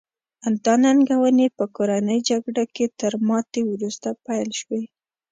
دا ننګونې په کورنۍ جګړه کې تر ماتې وروسته پیل شوې.